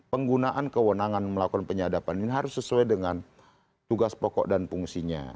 penggunaan kewenangan melakukan penyadapan ini harus sesuai dengan tugas pokok dan fungsinya